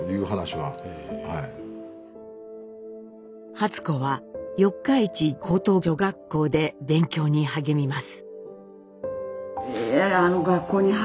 初子は四日市高等女学校で勉強に励みます。